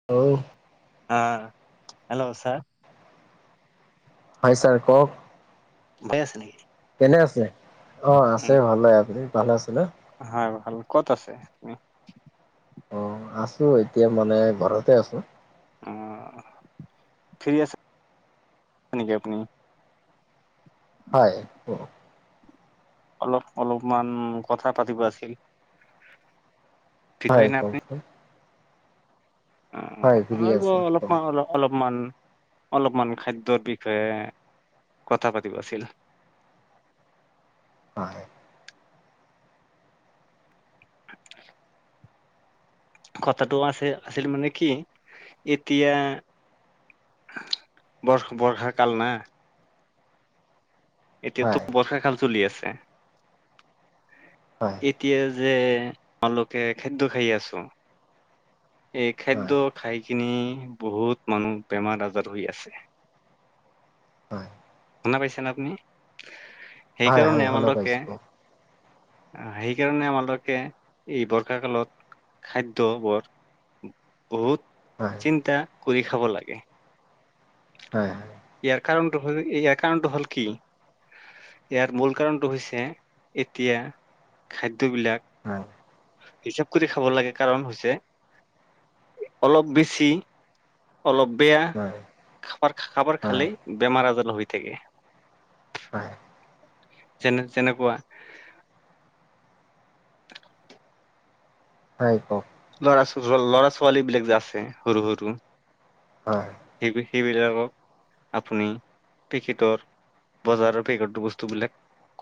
[inaudible] অঁ, hello sir. হয় sir কওক। ভয়, আছে নেকি? কেনে আছে, অঁ আছে উম ভালেই, আপুনি ভালে আছে নে? হয় ভাল, ক'ত আছে আপুনি? অঁ, আছো এতিয়া মানে ঘৰতে আছো। অঁ, ফ্ৰী আছে নেকি আপুনি? হয়, কওঁক। অলপ অলপমান কথা পাতিব আছিল। ফ্ৰী হয় নে কওকচোন। অঁ, হয় ফ্ৰী আৰু আছো কওক অলপমান অলপ অলপমান, অলপমান খাদ্যৰ বিষয়ে কথা পাতিব আছিল। হয়। কথাটো আছে, আছিল মানে কি এতিয়া বৰ বৰ্ষা কাল না। এতিয়াতো হয় বৰ্ষাকাল চলি আছে। হয় এতিয়া যে তোমালোকে খাদ্য খাই আছো এই খাদ্য হয় খাই কিনি বহুত মানুহ বেমাৰ আজাৰ হৈ আছে। হয়। শুনা পাইছেনে আপুনি? হয় হয় সেইকাৰণে শুনা পাইছো আমালোকে কওক সেইকাৰণে আমালোকে এই বৰ্ষাকালত খাদ্য বৰ বহুত হয়। চিন্তা কৰি খাব লাগে। হয়। ইয়াৰ কাৰণতো হল কি, ইয়াৰ কাৰণটো হ'ল কি ইয়াৰ মূল কাৰণটো হৈছে এতিয়া খাদ্যবিলাক হয়। হিচব কৰি খাব লাগে কাৰণ হৈছে অলপ বেছি, অলপ বেয়া। হয় হয়। খাবাৰ খাবাৰ খালেই হয় বেমাৰ আজাৰ হৈ থাকে। হয়। যেনে যেনেকুৱা [inaudible] হয় কওক। ল'ৰা-ল'ৰা ছোৱালী বিলাক যে আছে সৰু সৰু হয়। সেই-সেইবিলাকক আপুনি পেখেটৰ বজাৰৰ পেকটৰ বস্তু বিলাক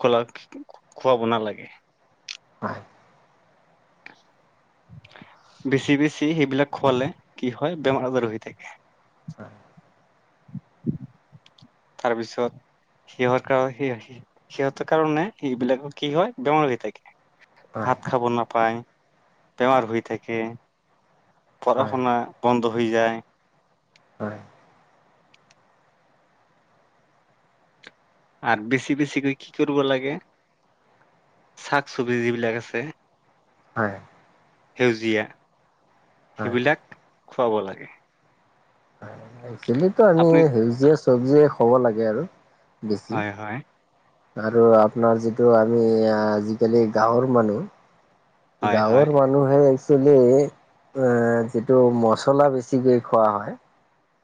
খোলা খুৱাব নালাগে। হয়। বেছি বেছি সেইবিলাক খোৱালে কি হয় বেমাৰ আজাৰ হৈ থাকে। হয়। তাৰপিছত সিহঁত কাৰ [unintelligible] সিহঁতৰ কাৰণে সবিলাক কি হয় বেমাৰ হৈ থাকে। হয় হয় ভাত খাব নাপায়, বেমাৰ হৈ থাকে। পঢ়া হয় শুনা বন্ধ হৈ যায়। হয়। আৰু বেছি বেছিকৈ কি কৰিব লাগে শাক চবজি যিবিলাক আছে হয়। সেউজীয়া হয় হয় সেইবিলাক খুৱাব লাগে। একচেলিটো আমি আপুনি সেউজীয়া চবজিয়ে খুৱাব লাগে আৰু বেছি। হয় হয় আৰু আপোনাৰ যিটো আমি আজিকালি গাঁৱৰ মানুহ, হয় হয় গাঁৱৰ মানুহ মানুহে একচুৱেলি অ', যিটো মচলা বেছিকৈ খোৱা হয়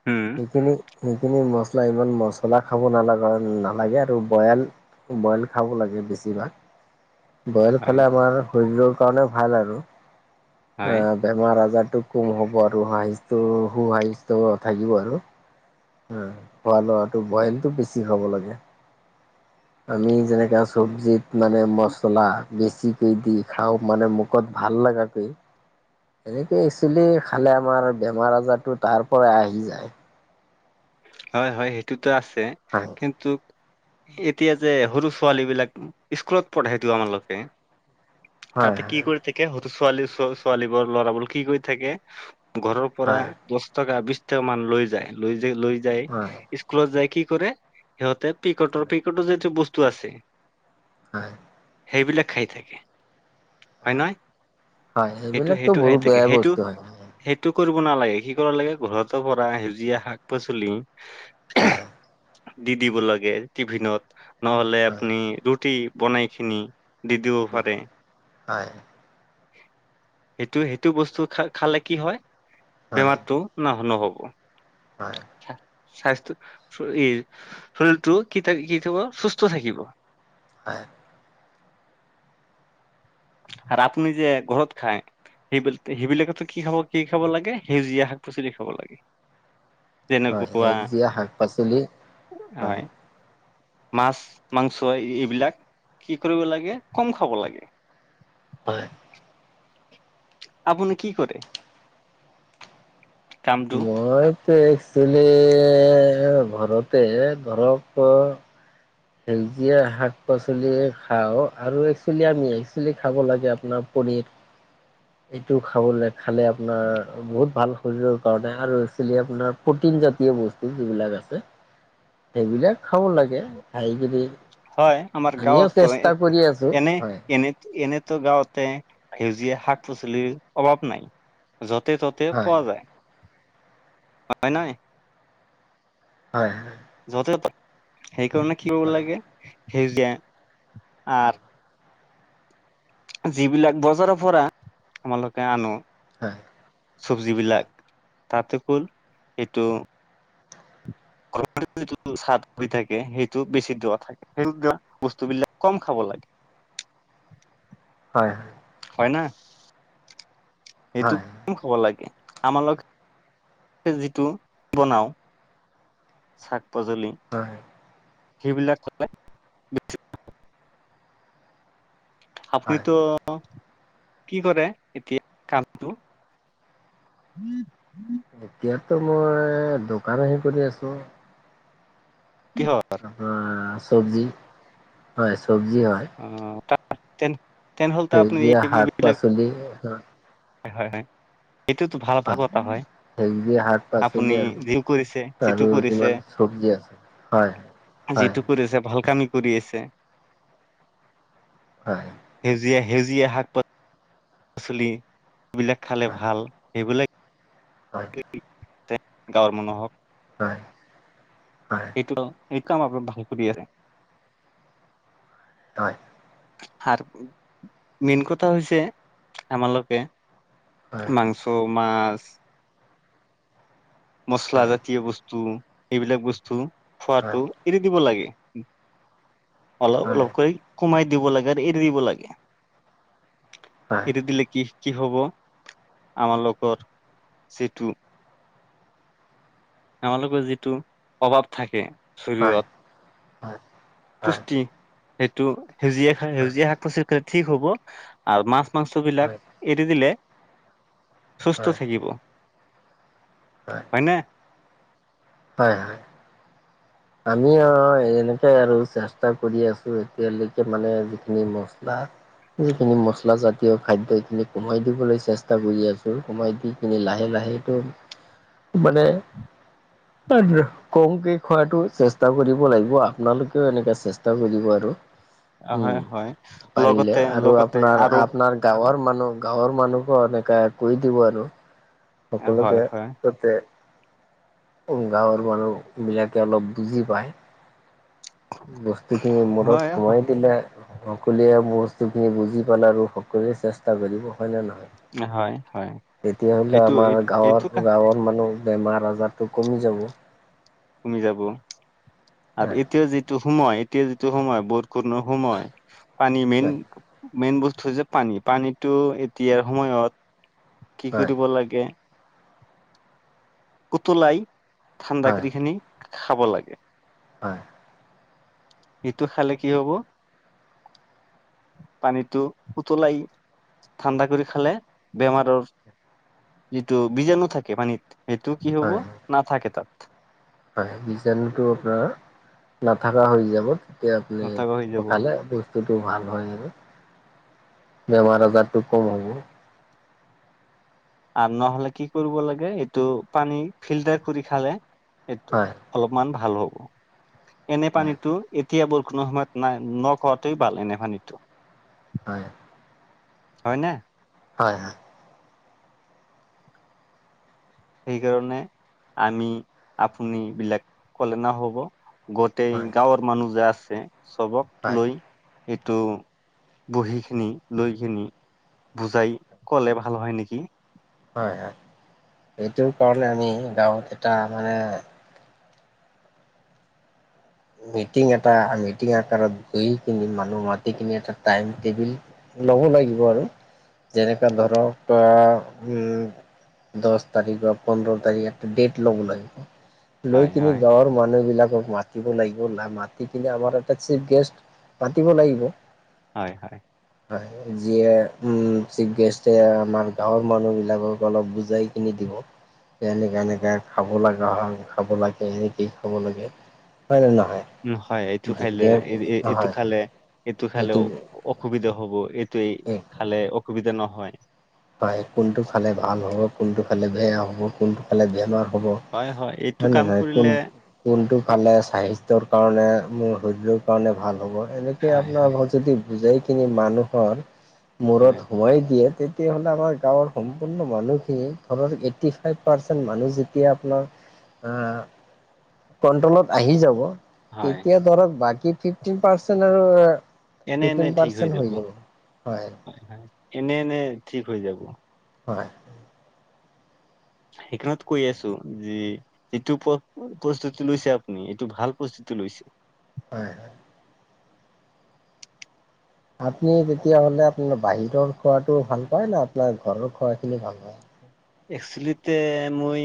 উম। সেইখিনি, সেইখিনি মচলা ইমান মচলা খাব নালাগা, নালাগে আৰু বয়েল বইল খাব লাগে বেছিভাগ। বইল হয় খালে আমাৰ শৰীৰৰ কাৰণে ভাল আৰু হয় এ বেমাৰ আজাৰটো কম হ'ব আৰু সাহিস্ত্য সু সাহিস্ত্য থাকিব আৰু খোৱা লোৱাটো বইলটো বেছি খাব লাগে আমি যেনেকা চব্জিত মানে মচলা বেছিকে দি খাওঁ মানে মুখত ভাল লগাকে এনেকে একচলি খালে আমাৰ বেমাৰ আজাৰটো তাৰ পৰাই আহি যায় হয় হয় সেইটোতো আছে হয় কিন্তু এতিয়া যে সৰু ছোৱালী বিলাক স্কুলত পঢ়াইটো আমালোকে হয় তাতে কি কৰি থাকে হয়তো ছোৱালী ছোৱালীবোৰ ল'ৰাবোৰ কি কৰি থাকে। ঘৰৰ পৰা হয় দছ টকা বিছ টকা মান লৈ যায় লৈ যাই লৈ যাই হয় স্কুলত যায় কি কৰে সিহঁতে পিকটৰ পিকটৰ যিটো বস্তু আছে। হয়। সেইবিলাক খাই থাকে হয় নহয়। হয় সেইটো সেইবিলাকতো সেইটো খাই বহুত থাকে বেয়া সেইটো বস্তু হয় হয় সেইটো কৰিব নালাগে কি কৰা লাগে ঘৰতো পৰা সেউজীয়া শাক পাচলি হয়। দি দিব লাগে টিভিনত নহলে হয় আপনি ৰুটি বনাই খিনি দি দিব ফাৰে হয় সেইটো সেইটো বস্তু খা খালে কি হয় হয় বেমাৰটো নাহ নহব হয়। স্বাস্থ্য চৰিৰ চৰিৰটো কি থাক কি থিব সুস্থ থাকিব। হয়। আৰু আপুনি যে ঘৰত খায় সেইবিলাক সেইবিলাকো কি খাব কি খাব লাগে সেউজীয়া শাক পাচলি খাব লাগে। হয় যেনেকুৱা সেউজীয়া শাক পাচলি হয়। মাছ মাংস এইবিলাক কি কৰিব লাগে কম খাব লাগে। হয়। আপুনি কি কৰে। কামটো মইতো একচেলি ঘৰতে ধৰক ক সেউজীয়া শাক পাচলি খাওঁ আৰু একচুৱেলি আমি একচুৱেলি খাব লাগে আপোনাৰ পনীৰ এইটো খাব লাগে খালে আপোনাৰ বহুত ভাল শৰীৰৰ কাৰণে আৰু আছিল আপোনাৰ প্ৰটিন জাতীয় বস্তু যিবিলাক আছে। সেইবিলাক খাব লাগে খাই কিনি হয়। আমাৰ আমিও গাঁৱতো চেষ্টা কৰি আছো এনে হয় এনেটো এনে গাঁওঁতে সেউজীয়া শাক পাচলিৰ অভাৱ নাই য'তে ত'তে হয় পোৱা যায় হয় নই হয় যথেত সেইকাৰণে কি কৰিব হয় হয় লাগে সেউজীয়া আৰ যিবিলাক বজাৰৰ পৰা আমালোকে আনো চবজি বিলাক ততে কুল এইটো ঘৰ যিটো চাদ পৰি থাকে সেইটো বেছি দূৱ থাকে সেবিলাক বস্তু বিলাক কম খাব লাগে হয়। হয় না এইটো হয় খাব লাগে আমালোক সে যিটো বনাওঁ শাক পাচলি- হয়। সেইবিলাক কথা- হয় আপুনিতো কি কৰে এতিয়া কামটো? [inaudible] এতিয়াতো মই দোকান আহি কৰি আছো। কিহ? অঁ' চব্জি হয়, চব্জি হয়। অঁ' তা‌ তেন তেন হ'ল এটা আপুনি- সেউজীয়া শাক পাচলি হয় হয় হয়, এইটোওতো ভাল ভাবটা হয়। সেই যে শাক আপুনি পাচলি আৰু, যি কৰিছে যিটো আৰু কৰিছে যিমান চব্জি আছে হয়। হয় যিটো কৰি আছে, ভাল কামে কৰি আছে। হয়। সেউজীয়া সেউজীয়া শাক পাচলিবিলাক খালে ভাল, সেইবিলাক- হয়। গাঁওৰ মানুহক- হয়, হয়। এইটো এই কাম আপোনি ভাল কৰি আছে। হয়। সাৰ মেন কথা হৈছে- আমালোকে হয় মাংস মাছ- হয় হয় হয় হয় হয় মচলা হয় জাতীয় বস্তু, এইবিলাক বস্তু খোৱাতো- এৰি দিব লাগে। অলপ অলপকৈ কমাই- দিব লাগে আৰু এৰি দিব লাগে। এৰি দিলে- কি কি হ'ব? আমাৰ লগৰ যিটো- আমালোকৰ যিটো অভাৱ থাকে- চৰিৰত, পুষ্টি সেইটো সেউজিয়া- সেউজীয়া শাক পাচলি খালে ঠিক হ'ব, আ মাছ মাংস বিলাক হয় এৰি দিলে। সুস্থ হয় থাকিব, হয় নে? হয় হয়। আমি অঁ' এনেকে আৰু চেষ্টা কৰি আছো এতিয়ালৈকে মানে যিখিনি মচলা- সেইখিনি মচলা জাতীয় খাদ্য এইখিনি কমাই দিবলৈ চেষ্টা কৰি আছো, কমাই দি- তুমি লাহে লাহেটো মানে- তাৰ কওঁংতে খোৱাটো- চেষ্টা কৰিব লাগিব, আপোনালোকেও এনেকে চেষ্টা কৰিব আৰু। হয় উম' হয় পাৰিলে লগতে আৰু লগতে আপোনাৰ আৰু আপোনাৰ- গাঁৱৰ মানুহ গাঁৱৰ মানুহো এনেকা কৈ দিব আৰু হয় সকলোকে। হয় ততে গাঁৱৰ মানুহবিলাকে অলপ বুজি পায়। বস্তু খিনি মূৰত হয় সোমাই দিলে- সকলোৱে বস্তুখিনি বুজি পালে আৰু সকলোৱে চেষ্টা কৰিব, হয়নে নহয়? হয় হয় তেতিয়া হলে এইটো আমাৰ এই এইটো কা গাঁৱত গাঁৱত- মানুহ বেমাৰ আজাৰটো কমি যাব। কমি যাব, আৰু এতিয়া যিটো সময় এতিয়া যিটো সময় বহুত- কূৰ্ণ সময়, পানী মেইন- হয় হয় মেইন বস্তু হৈছে পানী, পানীটো এতিয়াৰ সময়ত কি হয় কৰিব লাগে? উতলাই ঠাণ্ডা হয় কিৰি খিনি খাব লাগে। হয়। ইটো খালে কি হ'ব? পানীটো উতলাই ঠাণ্ডা কৰি খালে বেমাৰৰ যিটো বীজাণু থাকে পানীত এইটো কি হ'ব হয় না থাকে তাত। হয়, বীজাণুটো আপোনাৰ নথকা হৈ যাব। আপুনি নথকা হৈ যাব খালে ব [unintelligible] বস্তুটো ভাল হয় আৰু, বেমাৰ আজাৰটো কম হ'ব। আৰু নহ'লে কি কৰিব লাগে এইটো পানী ফিল্টাৰ কৰি খালে হয়। অলপমান ভাল হ'ব, এনেই হয় পানীটো এতিয়া বৰষুণৰ সময়ত নাই নখোৱাটোৱেই ভাল এনে পানীটো। হয়। হয়নে? হয়, হয়। সেইকাৰণে আমি আপুনি বিলাক ক'লে নহ'ব। গোটেই হয় গাঁৱৰ মানুহ যে আছে সবক হয় লৈ এইটো বহি কিনি লৈকিনি বুজাই ক'লে ভাল হয় নেকি? হয়, হয়। এইটো কাৰণে আমি গাঁৱত এটা মানে মিটিং এটা মিটিং আকাৰত তই মানুহ মাতি কিনি এটা টাইম টেবুল লব লাগিব আৰু, যেনেকা ধৰক অ' উম দহ তাৰিখ বা পোন্ধৰ তাৰিখ এটা ডেট ল'ব লাগিব। লৈ হয়, কিনি হয়, গাঁৱৰ মানুহ বিলাকক মাত। মাতি লাগিব মাতি কিনে আমাৰ এটা চিফ গেষ্ট মাতিব লাগিব। হয়, হয়। হয়। যিয়ে উম চিফ গেষ্টে আমাৰ গাঁৱৰ মানুহ বিলাকক অলপ বুজাই কিনি দিব। এনেকে এনেকে খাব লগা হয় খাব লাগে এনেকেই খাব লাগে। হয় নে নহয়? উম, হয়। এইটো খাইলে এইটো হয় খালে এইটো খালে অসুবিধা হব এইটো এই খালে অসুবিধা নহয়। পায়, কোনটো খালে ভাল হ'ব, কোনটো খালে বেয়া হ'ব, কোনটো খালে বেমাৰ হ'ব হয়, এইটো হয় নে কাম নাই? কোন কৰিলে কোনটো এ- খালে স্বাস্থ্যৰ কাৰণে মোৰ শৰীৰৰ কাৰণে ভাল হ'ব। এনেক কে হয়, হয়, আপোনালোকক যদি বুজাই কিনি মানুহৰ মূৰত হয়, সুমুৱাই দিয়ে তেতি তেতিয়াহ'লে আমাৰ গাঁৱৰ সম্পূৰ্ণ মানুহখিনি, ঘৰৰ এইটি ফাইভ পাৰ্চেণ্ট মানুহ যেতিয়া আপোনাৰ আহ কন্ট্ৰলত আহি যাব। হয়। তেতিয়া ধৰক বাকী ফিফটিন পাৰ্চেণ্ট আৰু এনে এনে ফিফটিন ঠিক পাৰ্চেট হৈ যাব, হয়। এনে এনে ঠিক হৈ যাব। হয়। সেইকাৰনত কৈ আছো, যে এইটো প্ৰ প্ৰস্তুতি লৈছে আপুনি, এইটো ভাল প্ৰস্তুতি লৈছে। হয়, হয়। আপুনি তেতিয়া হ'লে আপোনাৰ বাহিৰৰ খোৱাটো ভাল পায় না আপোনাৰ ঘৰৰ খোৱা খিনি ভাল পায়? এক্চেলিতে মই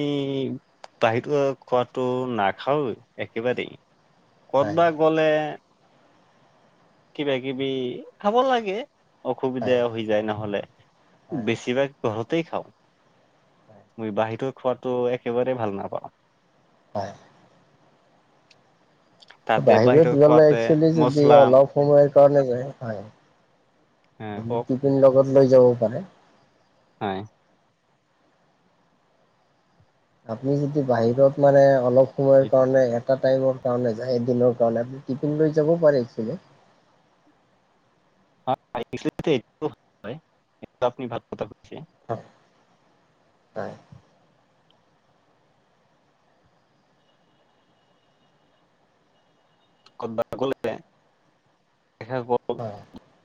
বাহিৰত খোৱাটো নাখাওঁয়ে একেবাৰেই। হয় ক'ত বা গ'লে কিবা কিবি খাব লাগে অসুবিধা হয় হৈ যায় নহ'লে। হয় বেছিভাগ ঘৰতেই খাওঁ। হয় মই বাহিৰত খোৱাটো একেবাৰে ভাল নাপাওঁ। [unintelligible] তাতে বাহিৰত গ'লে খোৱাতে একচুৱেলি যদি মছলা অলপ সময় কাৰণে যে হয়, আহ কওক টিফিন লগত লৈ যাবও পাৰে। হয়। আপুনি যদি বাহিৰত মানে অলপ সময়ৰ কাৰণে এটা টাইমৰ কাৰণে যায় এদিনৰ কাৰণে আপুনি টিফিন লৈ যাবও পাৰে এক্সেলি। [unintelligible] এইটো আপুনি ভাল কথা কৈছে। হয়। ক'ৰবাত গ'লে [unintelligible] হয়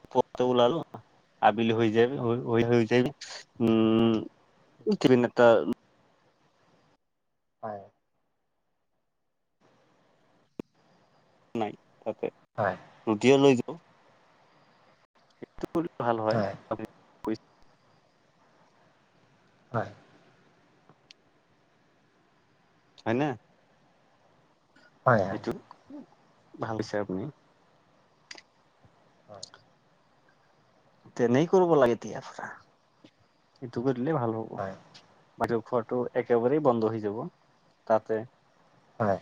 [unintelligible] আবেলি হৈ যায়, হৈ [unintelligible] উমঁ- [unintelligible] হয়। নাই তাতে। হয়। ৰুটিয়ে লৈ যাওঁ। [unintelligible] কৰি ভাল হয়। হয়। হয়নে। হয় এইটো [inaudible] ভাল দিছে আপুনি। হয়। তেনেই কৰিব লাগে এতিয়াৰ পৰা। এইটো কৰিলে ভাল হ'ব। হয়। [unintelligible] ঘৰটো একেবাৰেই বন্ধ হৈ যাব তাতে। হয়।